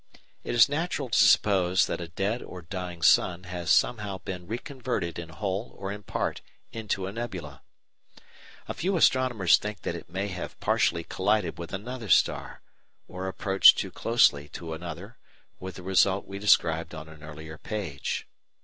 It is natural to suppose that a dead or dying sun has somehow been reconverted in whole or in part into a nebula. A few astronomers think that it may have partially collided with another star, or approached too closely to another, with the result we described on an earlier page.